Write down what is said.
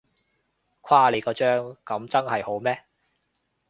誇你個張，噉真係好咩？